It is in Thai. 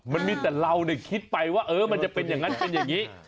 มันมีแต่เราคิดไปว่ามันจะเป็นอย่างนั้นเป็นอย่างนี้